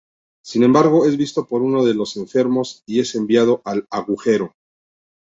Sin embargo, es visto por uno de los enfermos y es enviado al agujero.